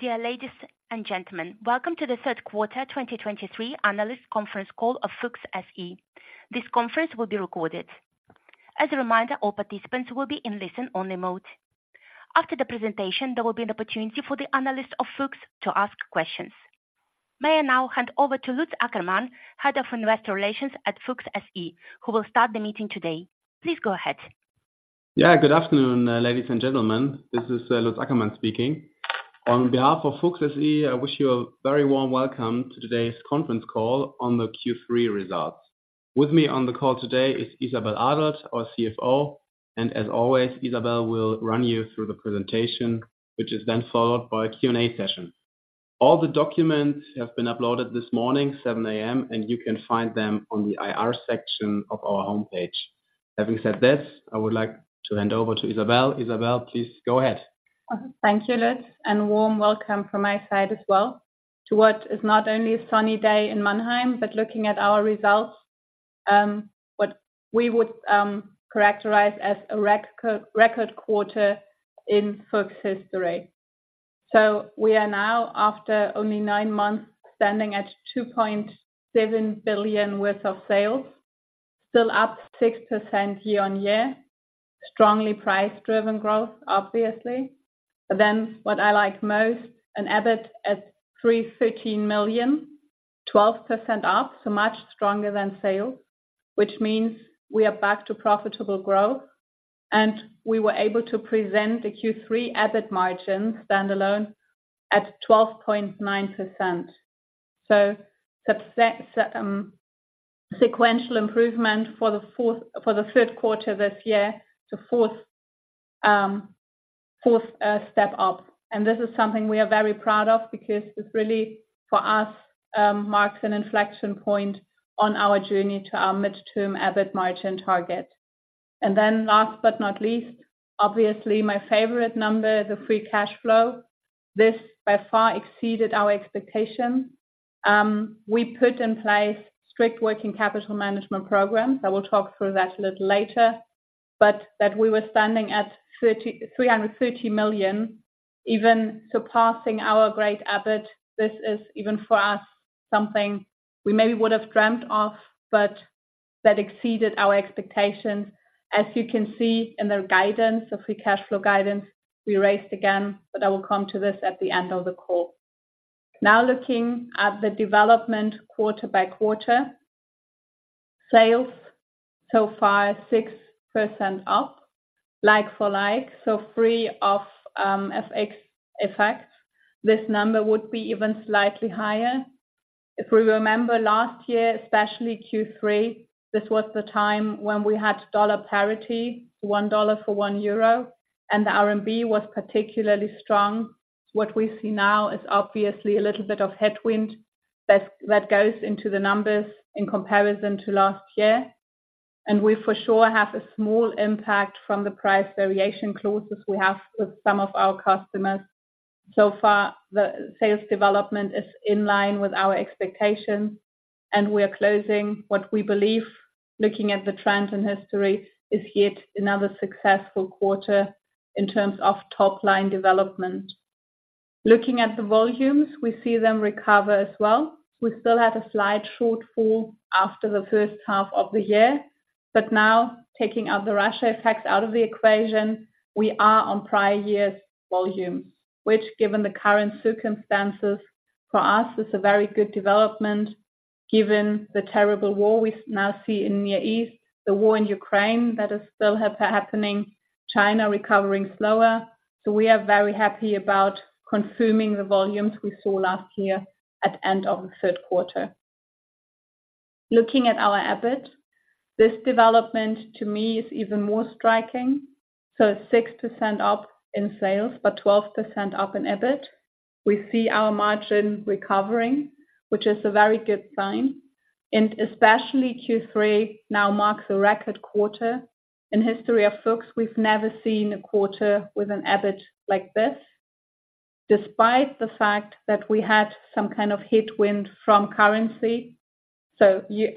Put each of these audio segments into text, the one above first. Dear ladies and gentlemen, welcome to the third quarter 2023 analyst conference call of FUCHS SE. This conference will be recorded. As a reminder, all participants will be in listen-only mode. After the presentation, there will be an opportunity for the analyst of FUCHS to ask questions. May I now hand over to Lutz Ackermann, Head of Investor Relations at FUCHS SE, who will start the meeting today. Please go ahead. Yeah, good afternoon, ladies and gentlemen. This is Lutz Ackermann speaking. On behalf of Fuchs SE, I wish you a very warm welcome to today's conference call on the Q3 results. With me on the call today is Isabelle Adelt, our CFO, and as always, Isabelle will run you through the presentation, which is then followed by a Q&A session. All the documents have been uploaded this morning, 7:00 A.M., and you can find them on the IR section of our homepage. Having said this, I would like to hand over to Isabelle. Isabelle, please go ahead. Thank you, Lutz, and warm welcome from my side as well, to what is not only a sunny day in Mannheim, but looking at our results, what we would characterize as a record quarter in Fuchs history. So we are now, after only nine months, standing at 2.7 billion worth of sales, still up 6% year-on-year. Strongly price-driven growth, obviously. But then, what I like most, an EBIT at 313 million, 12% up, so much stronger than sales, which means we are back to profitable growth, and we were able to present the Q3 standalone EBIT margin at 12.9%. So sequential improvement for the third quarter this year, the fourth step up. This is something we are very proud of because this really, for us, marks an inflection point on our journey to our midterm EBIT margin target. Then last but not least, obviously, my favorite number, the free cash flow. This by far exceeded our expectation. We put in place strict working capital management programs, I will talk through that a little later, but that we were standing at 330 million, even surpassing our great EBIT. This is, even for us, something we maybe would have dreamt of, but that exceeded our expectations. As you can see in the guidance, the free cash flow guidance, we raised again, but I will come to this at the end of the call. Now, looking at the development quarter by quarter, sales so far, 6% up, like-for-like, so free of FX effects, this number would be even slightly higher. If we remember last year, especially Q3, this was the time when we had dollar parity, 1 dollar for 1 euro, and the RMB was particularly strong. What we see now is obviously a little bit of headwind that goes into the numbers in comparison to last year. We for sure have a small impact from the price variation clauses we have with some of our customers. So far, the sales development is in line with our expectations, and we are closing what we believe, looking at the trends in history, is yet another successful quarter in terms of top-line development. Looking at the volumes, we see them recover as well. We still had a slight shortfall after the first half of the year, but now taking out the Russia effects out of the equation, we are on prior years' volumes, which, given the current circumstances for us, is a very good development given the terrible war we now see in the Near East, the war in Ukraine that is still happening, China recovering slower. So we are very happy about confirming the volumes we saw last year at end of the third quarter. Looking at our EBIT, this development, to me, is even more striking. So it's 6% up in sales, but 12% up in EBIT. We see our margin recovering, which is a very good sign, and especially Q3 now marks a record quarter. In history of Fuchs, we've never seen a quarter with an EBIT like this, despite the fact that we had some kind of headwind from currency. So you,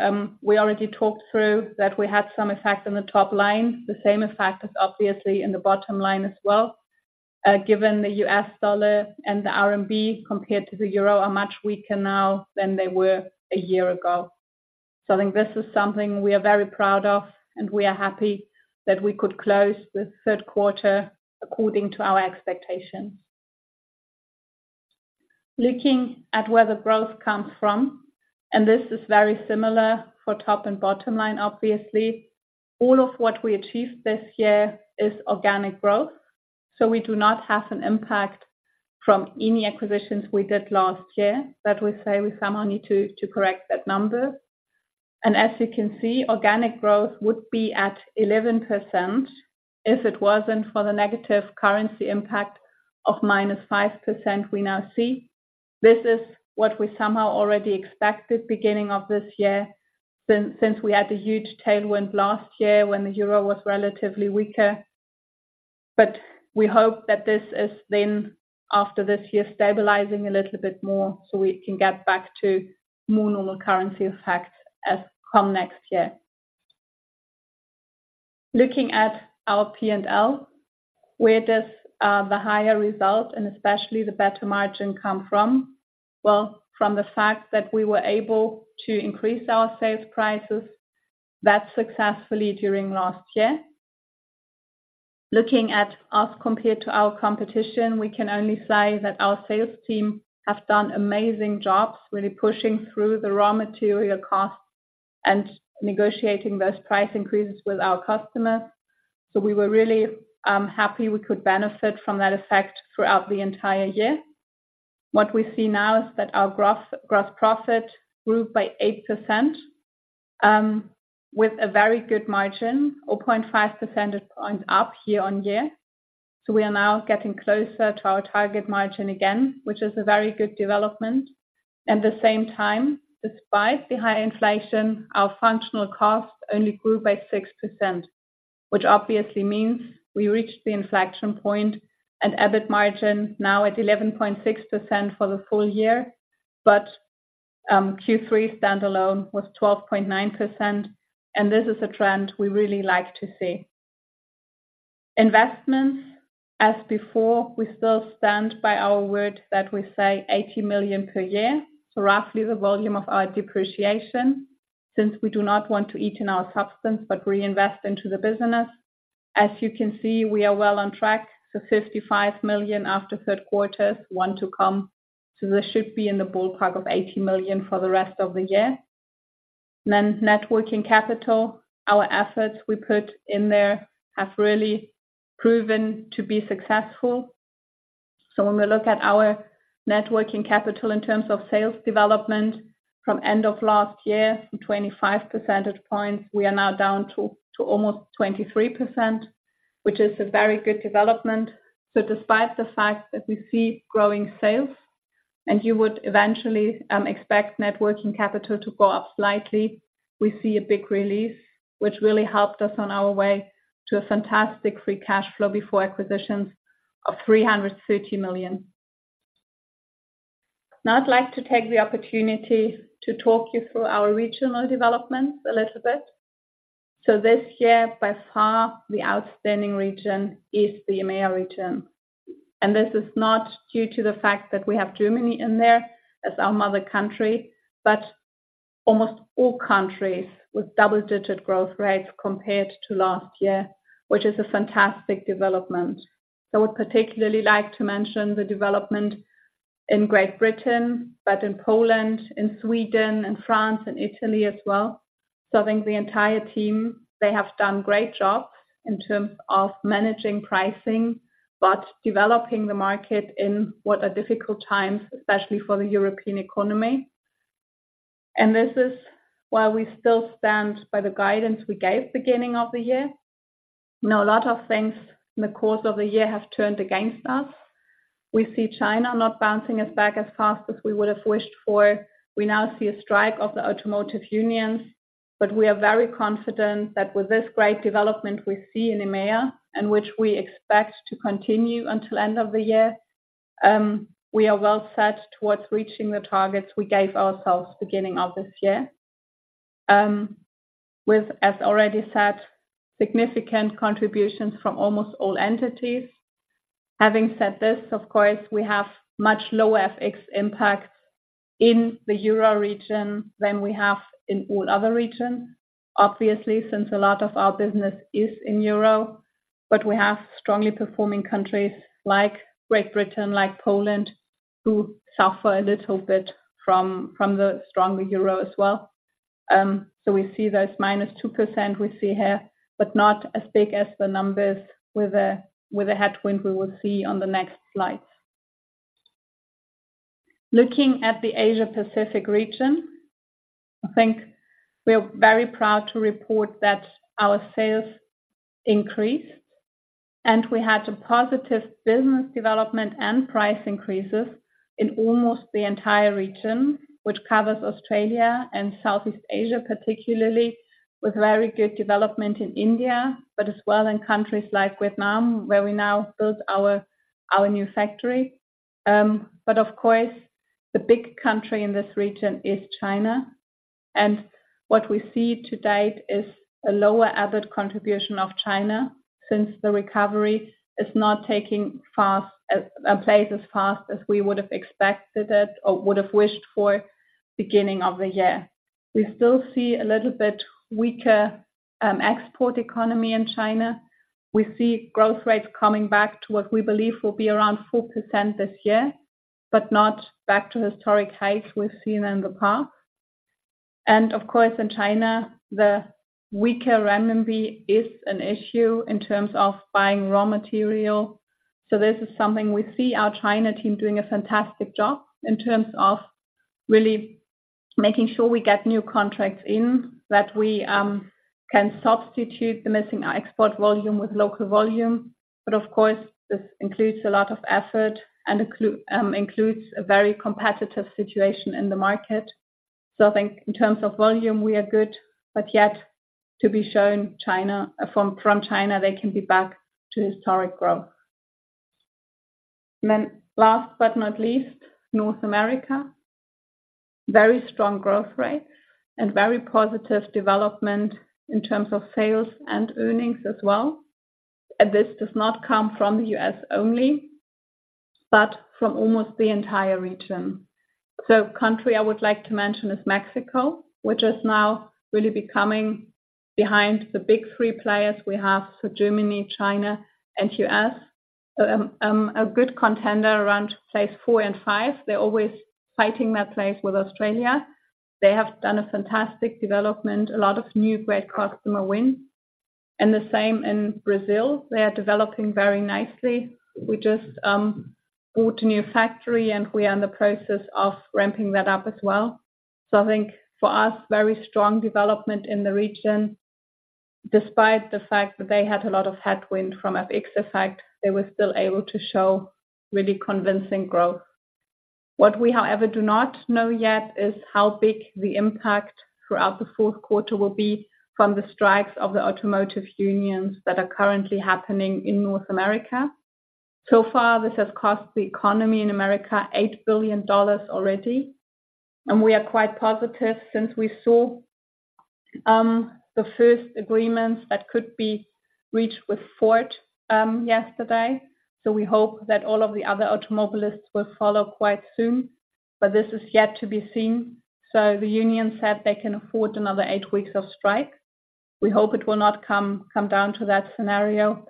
we already talked through that we had some effect on the top line. The same effect is obviously in the bottom line as well, given the U.S. dollar and the RMB, compared to the euro, are much weaker now than they were a year ago. So I think this is something we are very proud of, and we are happy that we could close the third quarter according to our expectations. Looking at where the growth comes from, and this is very similar for top and bottom line. Obviously, all of what we achieved this year is organic growth, so we do not have an impact from any acquisitions we did last year, that we say we somehow need to correct that number. As you can see, organic growth would be at 11% if it wasn't for the negative currency impact of -5% we now see. This is what we somehow already expected beginning of this year, since we had a huge tailwind last year when the euro was relatively weaker. We hope that this is then, after this year, stabilizing a little bit more so we can get back to more normal currency effects come next year. Looking at our P&L, where does the higher result and especially the better margin come from? Well, from the fact that we were able to increase our sales prices that successfully during last year. Looking at us compared to our competition, we can only say that our sales team have done amazing jobs, really pushing through the raw material costs and negotiating those price increases with our customers. So we were really happy we could benefit from that effect throughout the entire year. What we see now is that our gross, gross profit grew by 8%, with a very good margin, 0.5 percentage points up year-on-year. So we are now getting closer to our target margin again, which is a very good development. At the same time, despite the high inflation, our functional costs only grew by 6%, which obviously means we reached the inflection point and EBIT margin now at 11.6% for the full year, but Q3 standalone was 12.9%, and this is a trend we really like to see. Investments, as before, we still stand by our word that we say 80 million per year, so roughly the volume of our depreciation, since we do not want to eat in our substance, but reinvest into the business. As you can see, we are well on track to 55 million after third quarter, one to come, so this should be in the ballpark of 80 million for the rest of the year. Then net working capital, our efforts we put in there have really proven to be successful. So when we look at our net working capital in terms of sales development from end of last year, from 25 percentage points, we are now down to almost 23%, which is a very good development. So despite the fact that we see growing sales and you would eventually expect net working capital to go up slightly, we see a big relief, which really helped us on our way to a fantastic free cash flow before acquisitions of 330 million. Now, I'd like to take the opportunity to talk you through our regional developments a little bit. So this year, by far, the outstanding region is the EMEA region, and this is not due to the fact that we have Germany in there as our mother country, but almost all countries with double-digit growth rates compared to last year, which is a fantastic development. So I would particularly like to mention the development in Great Britain, but in Poland, in Sweden, and France, and Italy as well. So I think the entire team, they have done great job in terms of managing pricing, but developing the market in what are difficult times, especially for the European economy. And this is why we still stand by the guidance we gave beginning of the year. Now, a lot of things in the course of the year have turned against us. We see China not bouncing us back as fast as we would have wished for. We now see a strike of the automotive unions, but we are very confident that with this great development we see in EMEA, and which we expect to continue until end of the year, we are well set towards reaching the targets we gave ourselves beginning of this year. With, as already said, significant contributions from almost all entities. Having said this, of course, we have much lower FX impact in the Euro region than we have in all other regions. Obviously, since a lot of our business is in Euro, but we have strongly performing countries like Great Britain, like Poland, who suffer a little bit from the stronger Euro as well. So we see those -2% that we see here, but not as big as the numbers with a headwind we will see on the next slides. Looking at the Asia Pacific region, I think we are very proud to report that our sales increased, and we had a positive business development and price increases in almost the entire region, which covers Australia and Southeast Asia, particularly, with very good development in India, but as well in countries like Vietnam, where we now build our new factory. But of course, the big country in this region is China. What we see to date is a lower EBIT contribution of China, since the recovery is not taking fast place as fast as we would have expected it or would have wished for beginning of the year. We still see a little bit weaker export economy in China. We see growth rates coming back to what we believe will be around 4% this year, but not back to historic heights we've seen in the past. Of course, in China, the weaker Renminbi is an issue in terms of buying raw material. So this is something we see our China team doing a fantastic job in terms of really making sure we get new contracts in, that we can substitute the missing export volume with local volume. But of course, this includes a lot of effort and includes a very competitive situation in the market. So I think in terms of volume, we are good, but yet to be shown China, from China, they can be back to historic growth. Then last but not least, North America. Very strong growth rate and very positive development in terms of sales and earnings as well. And this does not come from the U.S. only, but from almost the entire region. So country I would like to mention is Mexico, which is now really becoming behind the big three players we have, so Germany, China, and U.S. A good contender around place four and five. They're always fighting that place with Australia. They have done a fantastic development, a lot of new great customer wins. And the same in Brazil, they are developing very nicely. We just bought a new factory, and we are in the process of ramping that up as well. So I think for us, very strong development in the region, despite the fact that they had a lot of headwind from FX effect, they were still able to show really convincing growth. What we, however, do not know yet is how big the impact throughout the fourth quarter will be from the strikes of the automotive unions that are currently happening in North America. So far, this has cost the economy in America $8 billion already, and we are quite positive since we saw the first agreements that could be reached with Ford yesterday. So we hope that all of the other automakers will follow quite soon, but this is yet to be seen. So the union said they can afford another 8 weeks of strike. We hope it will not come down to that scenario,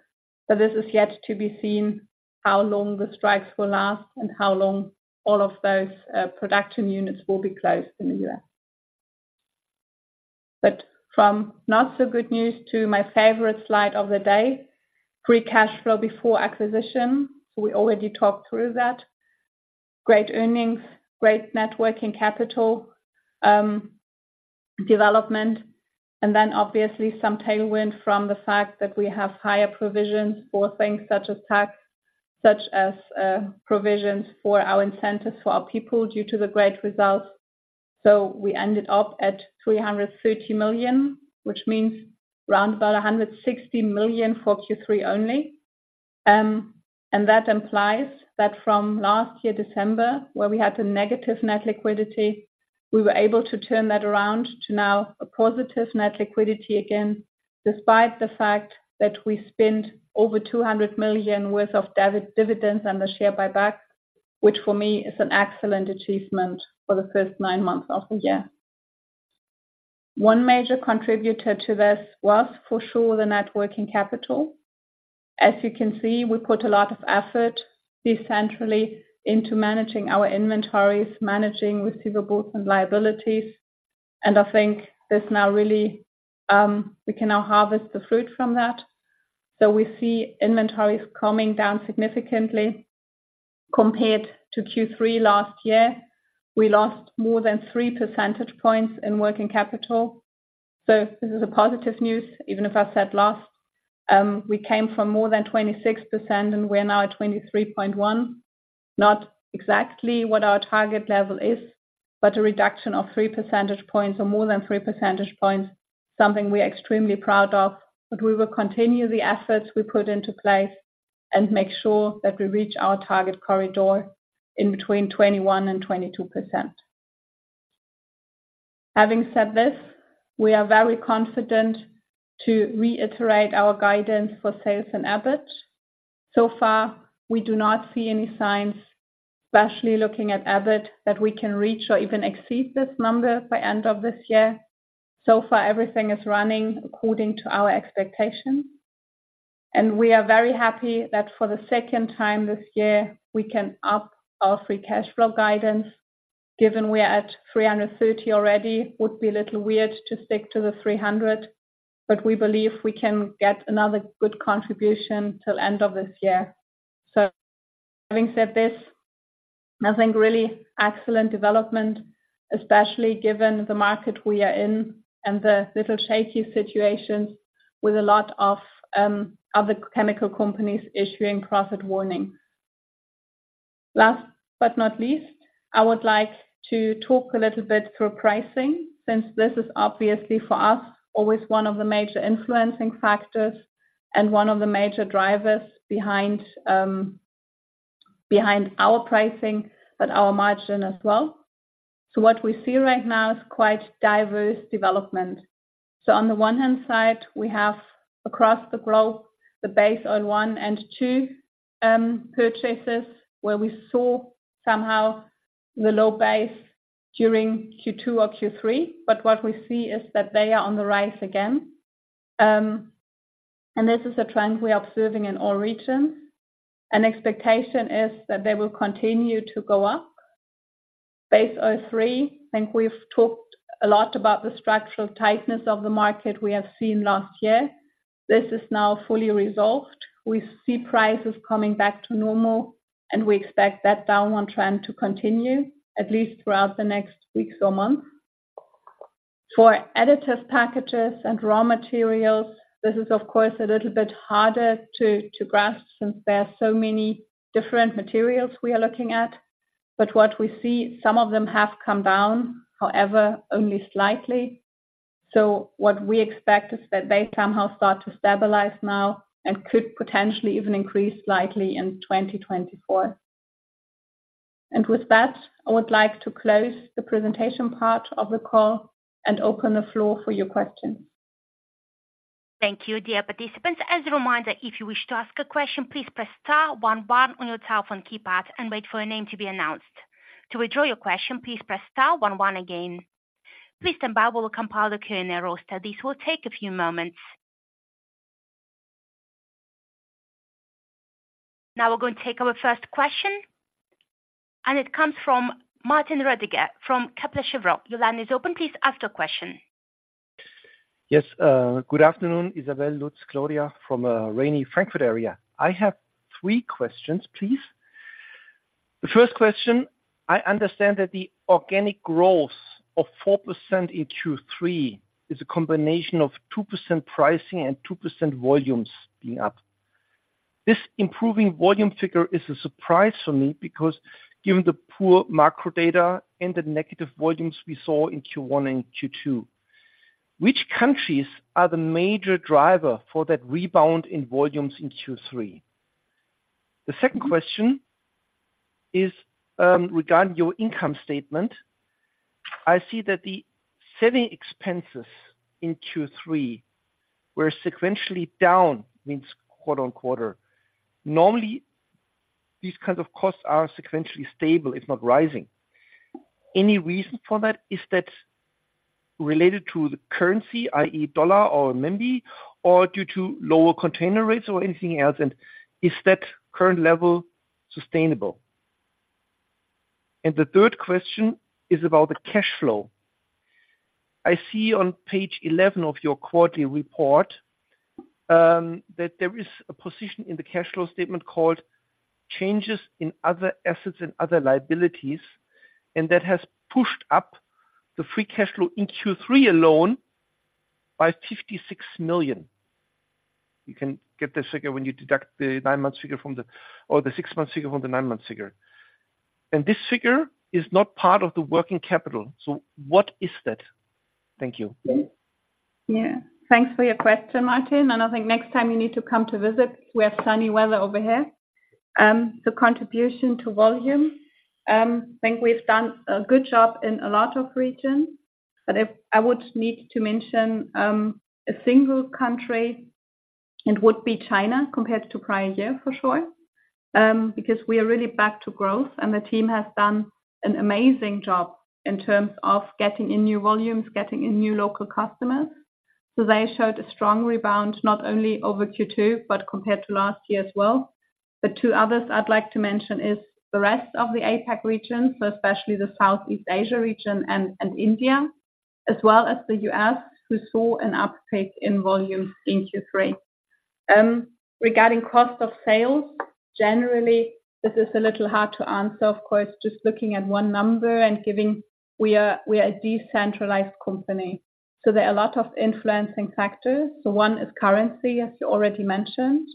but this is yet to be seen, how long the strikes will last and how long all of those production units will be closed in the U.S. But from not so good news to my favorite slide of the day, free cash flow before acquisition. So we already talked through that. Great earnings, great net working capital development, and then obviously some tailwind from the fact that we have higher provisions for things such as tax, such as provisions for our incentives for our people due to the great results. So we ended up at 330 million, which means roundabout 160 million for Q3 only. And that implies that from last year, December, where we had a negative net liquidity, we were able to turn that around to now a positive net liquidity again, despite the fact that we spent over 200 million worth of dividends and the share buyback, which for me is an excellent achievement for the first nine months of the year. One major contributor to this was for sure, the net working capital. As you can see, we put a lot of effort decentrally into managing our inventories, managing receivables and liabilities, and I think this now really, we can now harvest the fruit from that. So we see inventories coming down significantly. Compared to Q3 last year, we lost more than three percentage points in working capital. So this is a positive news, even if I said last. We came from more than 26%, and we're now at 23.1%. Not exactly what our target level is, but a reduction of three percentage points or more than three percentage points, something we are extremely proud of, but we will continue the efforts we put into place and make sure that we reach our target corridor in between 21% and 22%. Having said this, we are very confident to reiterate our guidance for sales and EBIT. So far, we do not see any signs, especially looking at EBIT, that we can reach or even exceed this number by end of this year. So far, everything is running according to our expectations, and we are very happy that for the second time this year, we can up our free cash flow guidance. Given we are at 330 million already, would be a little weird to stick to the 300 million, but we believe we can get another good contribution till end of this year. So having said this, I think really excellent development, especially given the market we are in and the little shaky situations with a lot of other chemical companies issuing profit warning. Last but not least, I would like to talk a little bit through pricing, since this is obviously, for us, always one of the major influencing factors and one of the major drivers behind our pricing, but our margin as well. So what we see right now is quite diverse development. So on the one hand side, we have across the globe, the base oil Group I and II purchases, where we saw somehow the low base during Q2 or Q3, but what we see is that they are on the rise again. And this is a trend we are observing in all regions. An expectation is that they will continue to go up. Base oil Group III, I think we've talked a lot about the structural tightness of the market we have seen last year. This is now fully resolved. We see prices coming back to normal, and we expect that downward trend to continue, at least throughout the next weeks or months. For additive packages and raw materials, this is of course a little bit harder to grasp since there are so many different materials we are looking at. But what we see, some of them have come down, however, only slightly. So what we expect is that they somehow start to stabilize now and could potentially even increase slightly in 2024. And with that, I would like to close the presentation part of the call and open the floor for your questions. Thank you, dear participants. As a reminder, if you wish to ask a question, please press star one one on your telephone keypad and wait for your name to be announced. To withdraw your question, please press star one one again. Please stand by, we will compile the Q&A roster. This will take a few moments. Now we're going to take our first question, and it comes from Martin Rödiger from Kepler Cheuvreux. Your line is open. Please ask your question. Yes. Good afternoon, Isabelle, Lutz, Claudia from rainy Frankfurt area. I have three questions, please. The first question: I understand that the organic growth of 4% in Q3 is a combination of 2% pricing and 2% volumes being up. This improving volume figure is a surprise for me because given the poor macro data and the negative volumes we saw in Q1 and Q2, which countries are the major driver for that rebound in volumes in Q3? The second question is regarding your income statement. I see that the selling expenses in Q3 were sequentially down quarter-on-quarter. Normally, these kinds of costs are sequentially stable, if not rising. Any reason for that? Is that related to the currency, i.e., dollar or Renminbi, or due to lower container rates or anything else? And is that current level sustainable? The third question is about the cash flow. I see on page 11 of your quarterly report that there is a position in the cash flow statement called changes in other assets and other liabilities, and that has pushed up the free cash flow in Q3 alone by 56 million. You can get this figure when you deduct the 9-month figure from the or the 6-month figure from the 9-month figure. And this figure is not part of the working capital. So what is that? Thank you. Yeah. Thanks for your question, Martin. I think next time you need to come to visit. We have sunny weather over here. The contribution to volume, I think we've done a good job in a lot of regions, but if I would need to mention a single country, it would be China compared to prior year, for sure. Because we are really back to growth, and the team has done an amazing job in terms of getting in new volumes, getting in new local customers. So they showed a strong rebound, not only over Q2, but compared to last year as well. The two others I'd like to mention is the rest of the APAC region, so especially the Southeast Asia region and India, as well as the U.S., who saw an uptake in volumes in Q3. Regarding cost of sales, generally, this is a little hard to answer, of course, just looking at one number and giving. We are, we are a decentralized company, so there are a lot of influencing factors. So one is currency, as you already mentioned.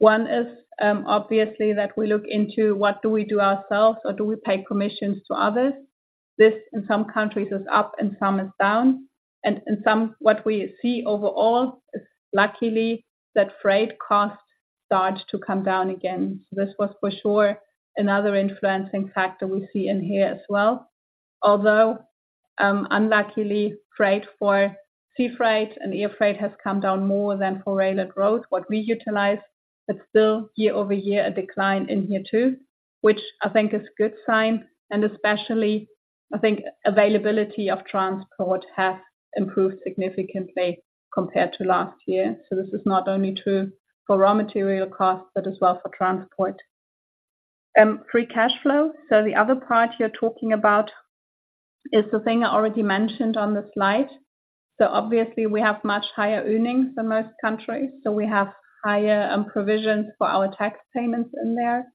One is, obviously, that we look into what do we do ourselves or do we pay commissions to others. This, in some countries, is up and some is down, and, and some, what we see overall is luckily that freight costs start to come down again. So this was for sure another influencing factor we see in here as well. Although unluckily, freight for sea freight and air freight has come down more than for rail and road, what we utilize, but still year-over-year, a decline in here, too, which I think is good sign, and especially, I think availability of transport has improved significantly compared to last year. So this is not only true for raw material costs, but as well for transport. Free cash flow. So the other part you're talking about is the thing I already mentioned on the slide. So obviously, we have much higher earnings than most countries, so we have higher provisions for our tax payments in there,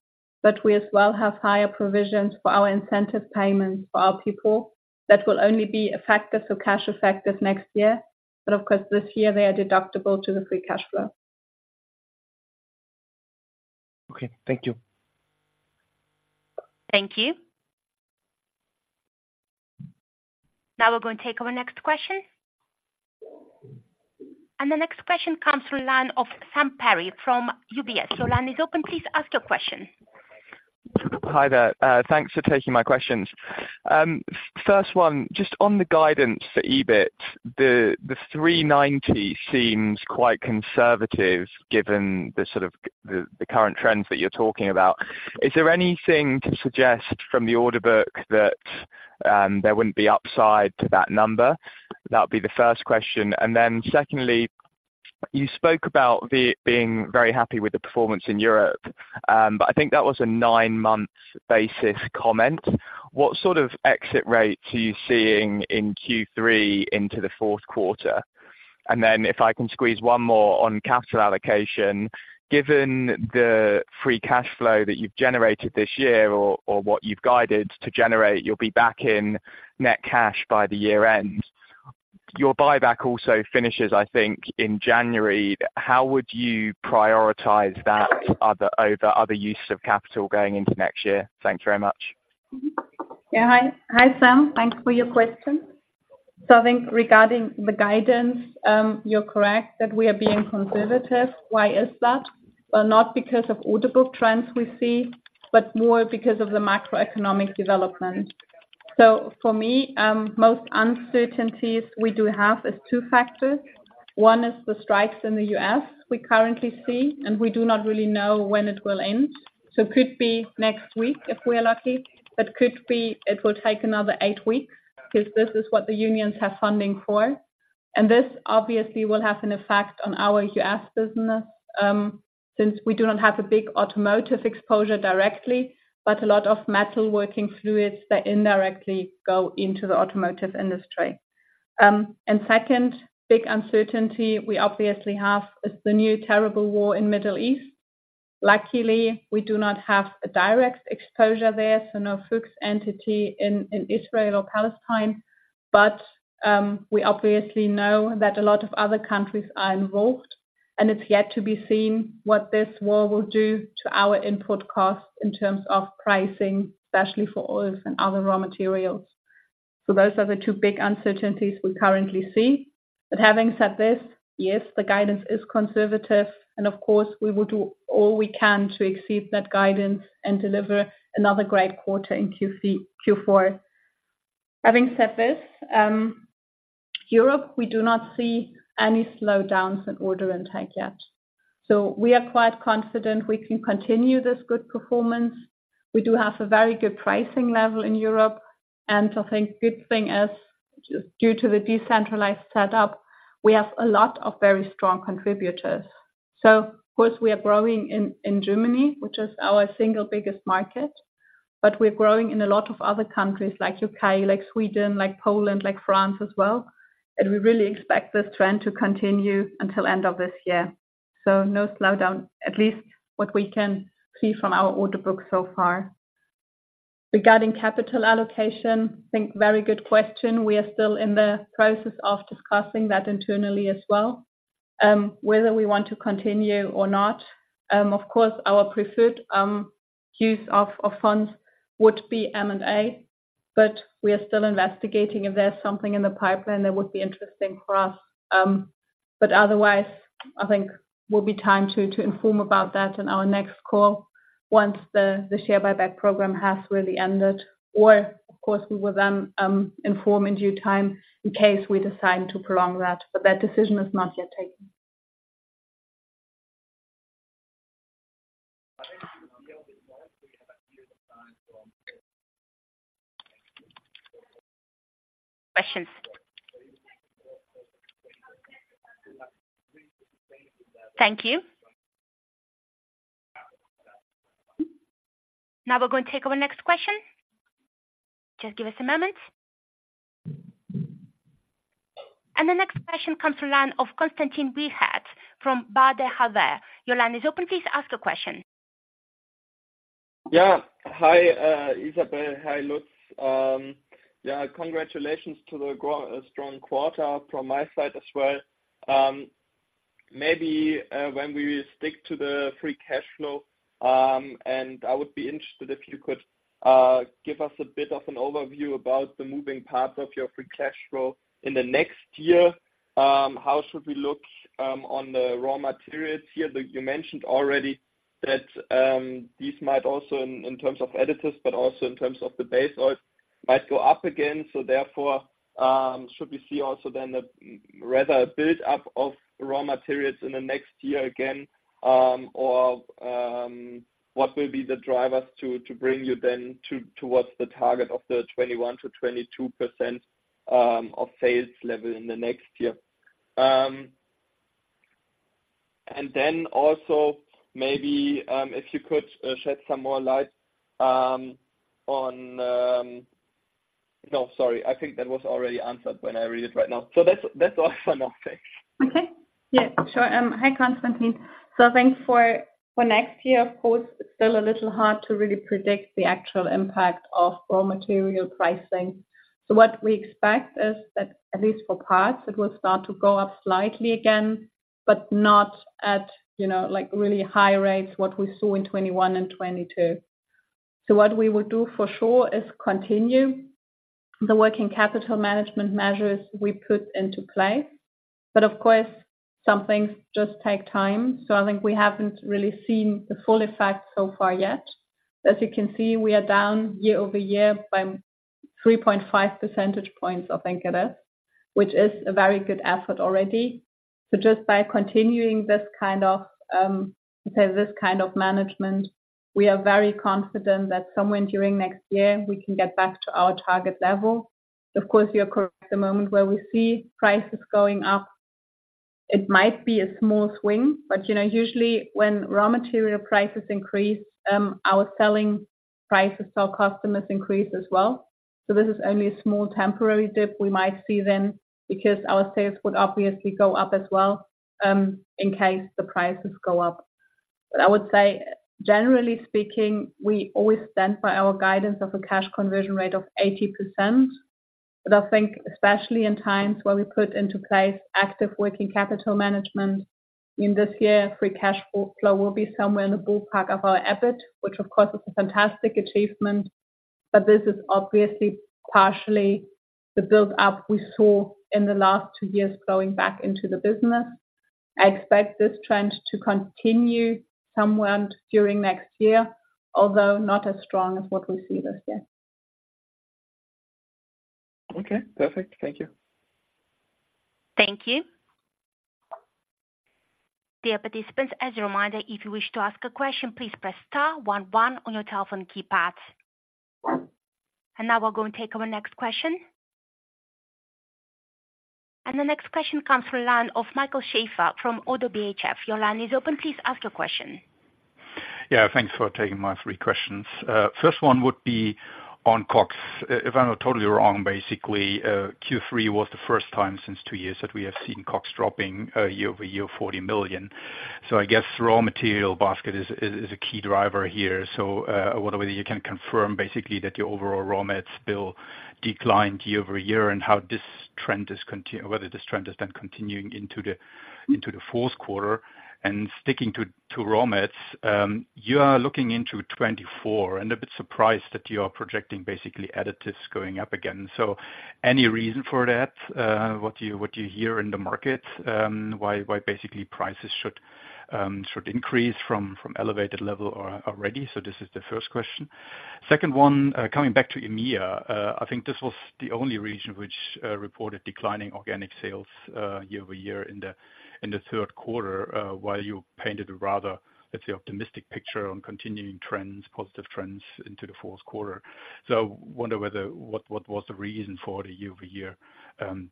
but we as well have higher provisions for our incentive payments for our people. That will only be effective, so cash effective next year, but of course, this year they are deductible to the free cash flow. Okay. Thank you. Thank you. Now we're going to take our next question. The next question comes through line of Sam Perry from UBS. Your line is open. Please ask your question. Hi there. Thanks for taking my questions. First one, just on the guidance for EBIT, the 390 seems quite conservative, given the sort of the current trends that you're talking about. Is there anything to suggest from the order book that there wouldn't be upside to that number? That would be the first question. Secondly, you spoke about being very happy with the performance in Europe, I think that was a nine-month basis comment. What sort of exit rates are you seeing in Q3 into the fourth quarter? If I can squeeze one more on capital allocation, given the free cash flow that you've generated this year or what you've guided to generate, you'll be back in net cash by the year end. Your buyback also finishes, I think, in January. How would you prioritize that, over other uses of capital going into next year? Thanks very much. Yeah. Hi, hi, Sam. Thanks for your question. So I think regarding the guidance, you're correct, that we are being conservative. Why is that? Well, not because of actual trends we see, but more because of the macroeconomic development. So for me, most uncertainties we do have is two factors. One is the strikes in the U.S. we currently see, and we do not really know when it will end. So could be next week, if we're lucky, but could be it will take another eight weeks, because this is what the unions have funding for. And this obviously will have an effect on our U.S. business, since we do not have a big automotive exposure directly, but a lot of metalworking fluids that indirectly go into the automotive industry. And second, big uncertainty we obviously have is the new terrible war in Middle East. Luckily, we do not have a direct exposure there, so no FUCHS entity in Israel or Palestine, but we obviously know that a lot of other countries are involved, and it's yet to be seen what this war will do to our input costs in terms of pricing, especially for oils and other raw materials. So those are the two big uncertainties we currently see. But having said this, yes, the guidance is conservative, and of course, we will do all we can to exceed that guidance and deliver another great quarter in Q4. Having said this, Europe, we do not see any slowdowns in order intake yet. So we are quite confident we can continue this good performance. We do have a very good pricing level in Europe, and I think good thing is, due to the decentralized setup, we have a lot of very strong contributors. So of course, we are growing in Germany, which is our single biggest market, but we're growing in a lot of other countries like UK, like Sweden, like Poland, like France as well. And we really expect this trend to continue until end of this year. So no slowdown, at least what we can see from our order book so far. Regarding capital allocation, I think very good question. We are still in the process of discussing that internally as well, whether we want to continue or not. Of course, our preferred use of funds would be M&A, but we are still investigating if there's something in the pipeline that would be interesting for us. But otherwise, I think will be time to inform about that in our next call once the share buyback program has really ended, or of course, we will then inform in due time in case we decide to prolong that, but that decision is not yet taken. Questions. Thank you. Now we're going to take our next question. Just give us a moment. The next question comes from the line of Konstantin Wiechert from Baader Helvea. Your line is open. Please ask the question. Yeah. Hi, Isabelle. Hi, Lutz. Yeah, congratulations to the growth, strong quarter from my side as well. Maybe, when we stick to the free cash flow, and I would be interested if you could give us a bit of an overview about the moving parts of your free cash flow in the next year. How should we look on the raw materials here? That you mentioned already that these might also in terms of additives, but also in terms of the base oil, might go up again. So therefore, should we see also then a rather build up of raw materials in the next year again? Or, what will be the drivers to bring you then towards the target of the 21%-22% of sales level in the next year? No, sorry. I think that was already answered when I read it right now. So that's, that's all for now. Thanks. Okay. Yeah, sure. Hi, Konstantin. So I think for, for next year, of course, it's still a little hard to really predict the actual impact of raw material pricing. So what we expect is that at least for parts, it will start to go up slightly again, but not at, you know, like really high rates, what we saw in 2021 and 2022. So what we will do for sure is continue the working capital management measures we put into place. But of course, some things just take time, so I think we haven't really seen the full effect so far yet. As you can see, we are down year-over-year by 3.5 percentage points of NWC, which is a very good effort already. So just by continuing this kind of management, we are very confident that somewhere during next year, we can get back to our target level. Of course, you are correct, the moment where we see prices going up, it might be a small swing, but, you know, usually when raw material prices increase, our selling prices to our customers increase as well. So this is only a small temporary dip we might see then, because our sales would obviously go up as well, in case the prices go up. But I would say, generally speaking, we always stand by our guidance of a cash conversion rate of 80%. I think especially in times where we put into place active working capital management, in this year, free cash flow will be somewhere in the ballpark of our EBIT, which of course, is a fantastic achievement. This is obviously partially the build-up we saw in the last two years going back into the business. I expect this trend to continue somewhere during next year, although not as strong as what we see this year. Okay, perfect. Thank you. Thank you. Dear participants, as a reminder, if you wish to ask a question, please press star one one on your telephone keypad. And now we're going to take our next question. And the next question comes from the line of Michael Schäfer from Oddo BHF. Your line is open. Please ask your question. Yeah, thanks for taking my three questions. First one would be on COGS. If I'm not totally wrong, basically, Q3 was the first time since two years that we have seen COGS dropping year-over-year 40 million. So I guess raw material basket is a key driver here. So, whether you can confirm basically that your overall raw mats bill declined year-over-year, and how this trend is whether this trend has been continuing into the fourth quarter? And sticking to raw mats, you are looking into 2024, and a bit surprised that you are projecting basically additives going up again. So any reason for that? What do you hear in the market, why basically prices should increase from elevated level or already? So this is the first question. Second one, coming back to EMEA, I think this was the only region which reported declining organic sales year over year in the third quarter, while you painted a rather, let's say, optimistic picture on continuing trends, positive trends into the fourth quarter. So I wonder whether what was the reason for the year-over-year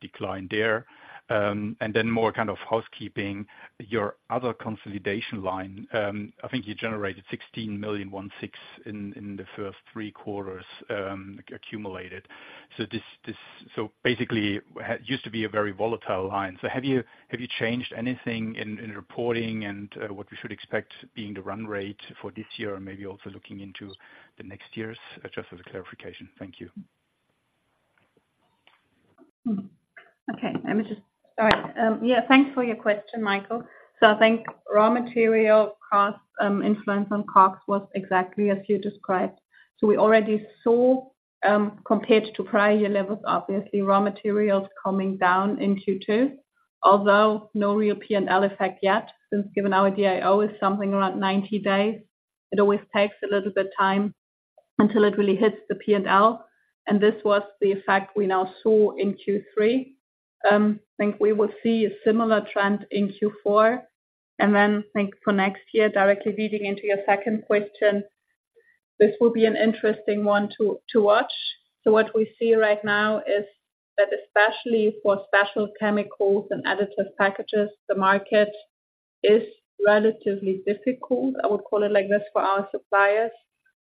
decline there? And then more kind of housekeeping, your other consolidation line, I think you generated 16 million in the first three quarters, accumulated. So this so basically used to be a very volatile line. So have you changed anything in reporting and what we should expect being the run rate for this year and maybe also looking into the next years, just as a clarification? Thank you. Okay, All right. Yeah, thanks for your question, Michael. So I think raw material cost influence on COGS was exactly as you described. So we already saw, compared to prior year levels, obviously, raw materials coming down in Q2, although no real P&L effect yet, since given our DIO is something around 90 days, it always takes a little bit time until it really hits the P&L. And this was the effect we now saw in Q3. I think we will see a similar trend in Q4, and then I think for next year, directly leading into your second question, this will be an interesting one to watch. So what we see right now is that, especially for special chemicals and additive packages, the market is relatively difficult, I would call it like this, for our suppliers.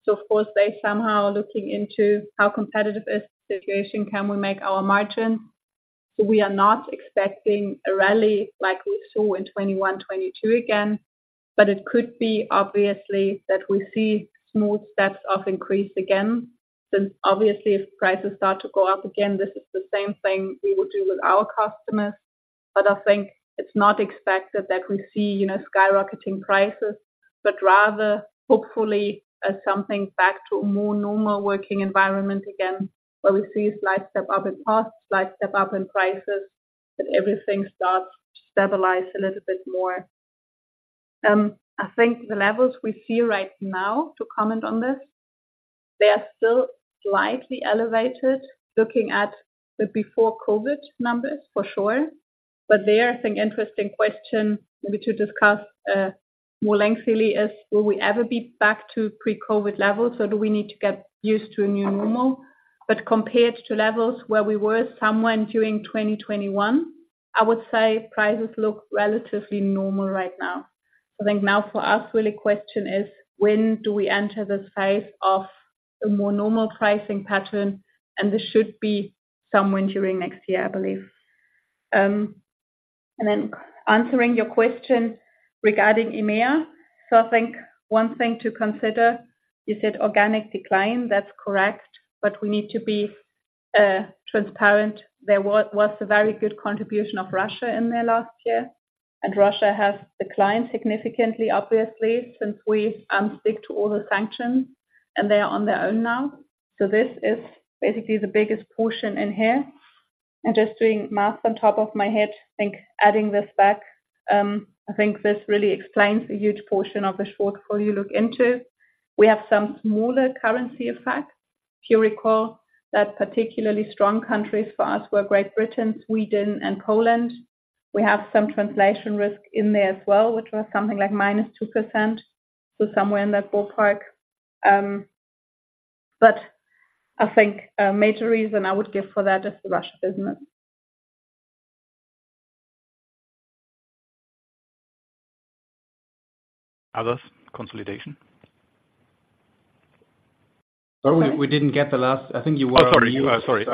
So of course, they somehow looking into how competitive is the situation, can we make our margin? So we are not expecting a rally like we saw in 2021, 2022 again, but it could be obviously, that we see small steps of increase again. Since obviously, if prices start to go up again, this is the same thing we would do with our customers. But I think it's not expected that we see skyrocketing prices, but rather hopefully, something back to a more normal working environment again, where we see a slight step up in costs, slight step up in prices, but everything starts to stabilize a little bit more. I think the levels we see right now, to comment on this, they are still slightly elevated, looking at the before COVID numbers for sure. But there, I think interesting question maybe to discuss more lengthily is, will we ever be back to pre-COVID levels, or do we need to get used to a new normal? But compared to levels where we were somewhere during 2021, I would say prices look relatively normal right now. So I think now for us, really question is, when do we enter this phase of a more normal pricing pattern? And this should be somewhere during next year, I believe. And then answering your question regarding EMEA. So I think one thing to consider, you said organic decline. That's correct, but we need to be transparent. There was a very good contribution of Russia in there last year, and Russia has declined significantly, obviously, since we stick to all the sanctions, and they are on their own now. So this is basically the biggest portion in here. And just doing math on top of my head, I think adding this back, I think this really explains a huge portion of the shortfall you look into. We have some smaller currency effects. If you recall, those particularly strong countries for us were Great Britain, Sweden, and Poland. We have some translation risk in there as well, which was something like -2%, so somewhere in that ballpark. But I think a major reason I would give for that is the Russia business. Others, consolidation. Sorry, we didn't get the last. I think you were. Oh, sorry. Sorry.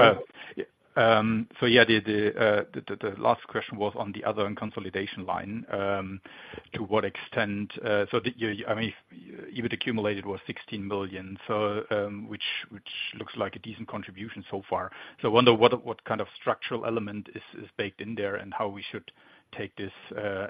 So yeah, the last question was on the other consolidation line. To what extent, so did you. I mean. EBITDA accumulated was 16 million, so, which looks like a decent contribution so far. So I wonder what kind of structural element is baked in there, and how we should take this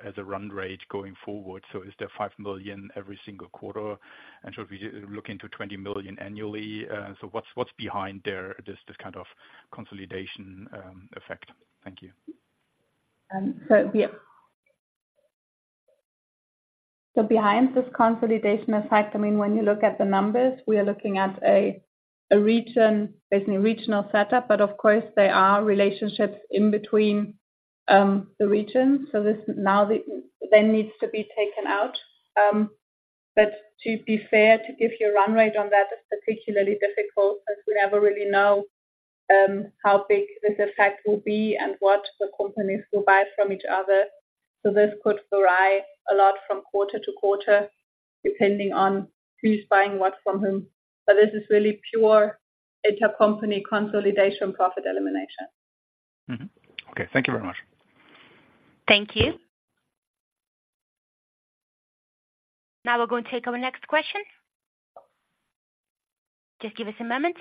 as a run rate going forward. So is there 5 million every single quarter? And should we look into 20 million annually? So what's behind there, this kind of consolidation effect? Thank you. So yeah. So behind this consolidation effect, I mean, when you look at the numbers, we are looking at a region, basically regional setup, but of course, there are relationships in between the regions. So this now, that needs to be taken out. But to be fair, to give you a run rate on that is particularly difficult, as we never really know how big this effect will be and what the companies will buy from each other. So this could vary a lot from quarter to quarter, depending on who's buying what from whom. But this is really pure intercompany consolidation, profit elimination. Okay. Thank you very much. Thank you. Now we're going to take our next question. Just give us a moment.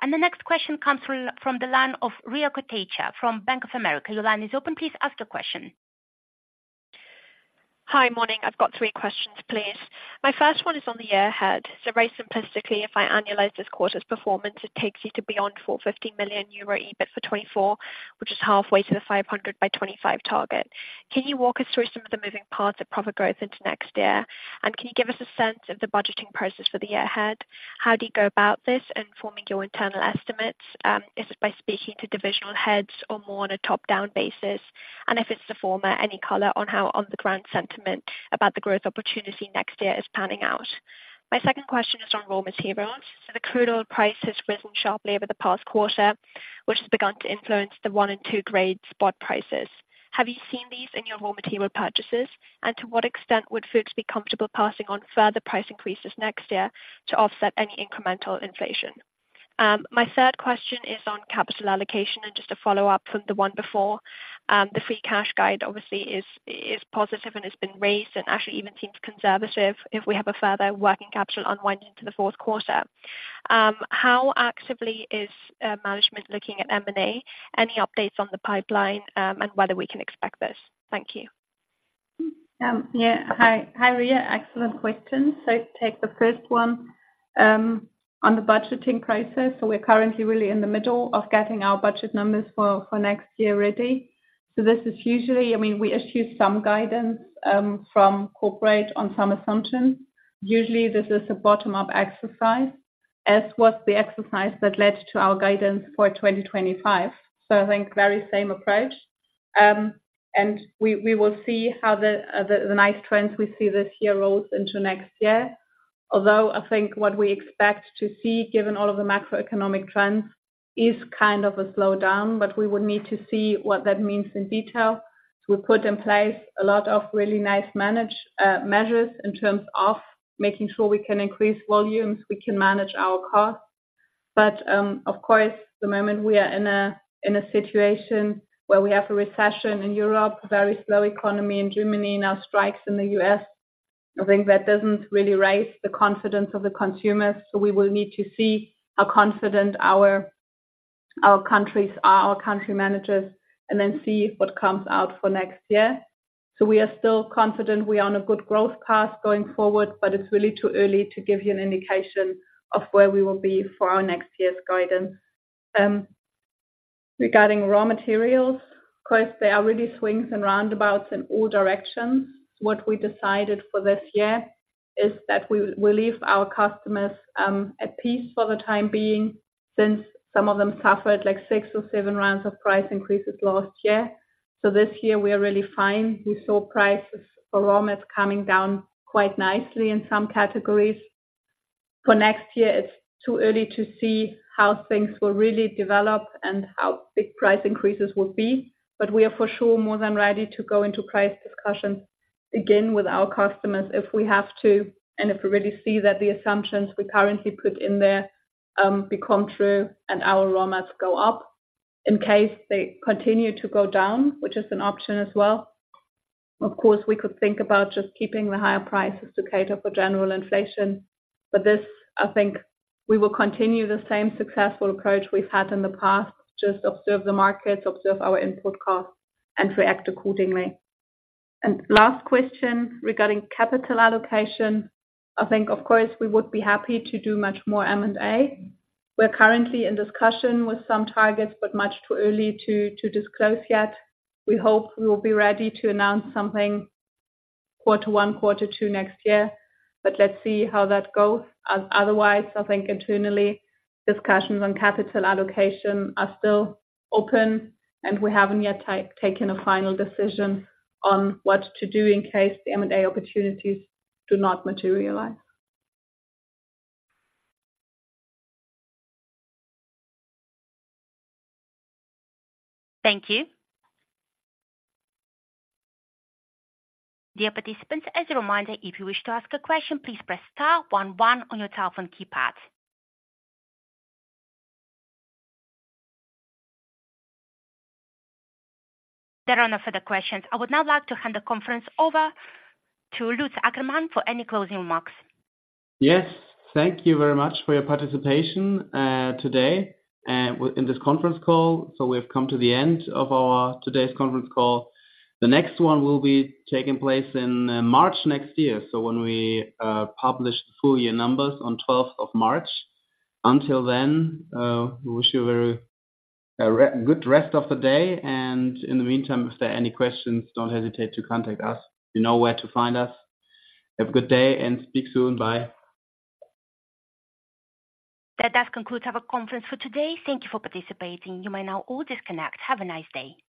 And the next question comes from the line of Riya Kotecha, from Bank of America. Your line is open. Please ask the question. Hi. Morning. I've got three questions, please. My first one is on the year ahead. So very simplistically, if I annualize this quarter's performance, it takes you to beyond 450 million euro EBIT for 2024, which is halfway to the 500 by 2025 target. Can you walk us through some of the moving parts of profit growth into next year? And can you give us a sense of the budgeting process for the year ahead? How do you go about this in forming your internal estimates? Is it by speaking to divisional heads or more on a top-down basis? And if it's the former, any color on how on the ground sentiment about the growth opportunity next year is panning out. My second question is on raw materials. So the crude oil price has risen sharply over the past quarter, which has begun to influence the one and two grade spot prices. Have you seen these in your raw material purchases? And to what extent would Fuchs be comfortable passing on further price increases next year to offset any incremental inflation? My third question is on capital allocation and just a follow-up from the one before. The free cash guide obviously is positive and has been raised and actually even seems conservative if we have a further working capital unwind into the fourth quarter. How actively is management looking at M&A? Any updates on the pipeline, and whether we can expect this? Thank you. Yeah. Hi, Riya. Excellent question. So take the first one on the budgeting process. So we're currently really in the middle of getting our budget numbers for next year ready. So this is usually, I mean, we issue some guidance from corporate on some assumptions. Usually, this is a bottom-up exercise, as was the exercise that led to our guidance for 2025. So I think very same approach. And we will see how the nice trends we see this year rolls into next year. Although I think what we expect to see, given all of the macroeconomic trends, is kind of a slowdown, but we would need to see what that means in detail. So we put in place a lot of really nice management measures in terms of making sure we can increase volumes, we can manage our costs. But, of course, the moment we are in a situation where we have a recession in Europe, very slow economy in Germany, now strikes in the US, I think that doesn't really raise the confidence of the consumers. So we will need to see how confident our country managers are, and then see what comes out for next year. So we are still confident we are on a good growth path going forward, but it's really too early to give you an indication of where we will be for our next year's guidance. Regarding raw materials, of course, there are really swings and roundabouts in all directions. What we decided for this year is that we leave our customers at peace for the time being, since some of them suffered, like, six or seven rounds of price increases last year. So this year we are really fine. We saw prices for raw mats coming down quite nicely in some categories. For next year, it's too early to see how things will really develop and how big price increases will be, but we are for sure more than ready to go into price discussions again with our customers, if we have to, and if we really see that the assumptions we currently put in there become true and our raw mats go up. In case they continue to go down, which is an option as well, of course, we could think about just keeping the higher prices to cater for general inflation. But this, I think we will continue the same successful approach we've had in the past. Just observe the markets, observe our input costs, and react accordingly. And last question regarding capital allocation. I think, of course, we would be happy to do much more M&A. We're currently in discussion with some targets, but much too early to disclose yet. We hope we will be ready to announce something quarter one, quarter two next year, but let's see how that goes. As otherwise, I think internally, discussions on capital allocation are still open, and we haven't yet taken a final decision on what to do in case the M&A opportunities do not materialize. Thank you. Dear participants, as a reminder, if you wish to ask a question, please press star one one on your telephone keypad. There are no further questions. I would now like to hand the conference over to Lutz Ackermann for any closing remarks. Yes, thank you very much for your participation today in this conference call. So we've come to the end of our today's conference call. The next one will be taking place in March next year. So when we publish the full year numbers on twelfth of March. Until then, we wish you a very good rest of the day, and in the meantime, if there are any questions, don't hesitate to contact us, you know where to find us. Have a good day and speak soon. Bye. That does conclude our conference for today. Thank you for participating. You may now all disconnect. Have a nice day.